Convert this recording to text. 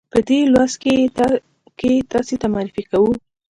په دې لوست کې یې تاسې ته معرفي کوو.